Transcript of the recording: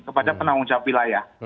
kepada penanggung jawab wilayah